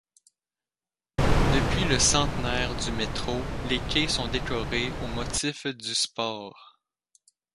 Depuis le centenaire du métro, les quais sont décorés aux motifs du sport.